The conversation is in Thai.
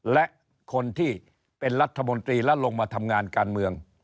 และคนที่เป็นรัฐมนตรีและลงมาทำงานการเมือง